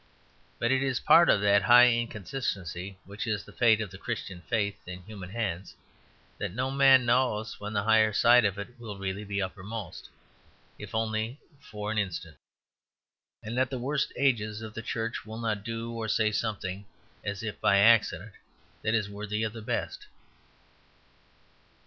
But it is part of that high inconsistency which is the fate of the Christian faith in human hands, that no man knows when the higher side of it will really be uppermost, if only for an instant; and that the worst ages of the Church will not do or say something, as if by accident, that is worthy of the best.